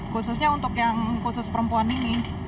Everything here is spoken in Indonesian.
khususnya untuk yang khusus perempuan ini